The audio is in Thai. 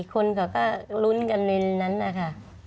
คนเขาก็รุ้นกันนั้นน่ะค่ะ